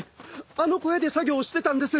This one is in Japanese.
あの小屋で作業をしてたんです。